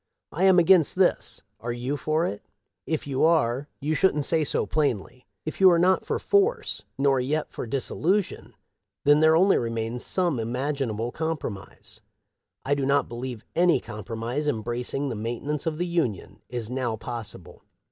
I am against this. Are you for it? If you are, you should say so plainly. If you are not for /tr^'^, nor yet for dissolution, there only remains some imag inable compromise. I do not believe any compromise, embracing the maintenance of the Union, is now possible.